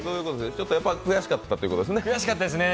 ちょっとやっぱり悔しかったということですね。